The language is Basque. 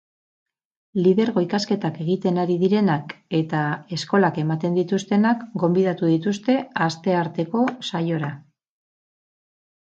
Lidergo ikasketak egiten ari direnak eta eskolak ematen dituztenak gonbidatu dituzte astearteko saiora.